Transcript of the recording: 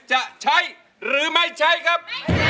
จะใช้หรือไม่ใช้ครับ